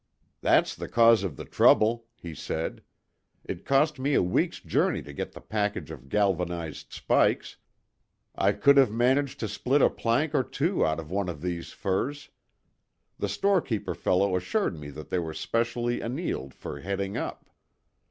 "That's the cause of the trouble," he said. "It cost me a week's journey to get the package of galvanised spikes I could have managed to split a plank or two out of one of these firs. The storekeeper fellow assured me they were specially annealed for heading up.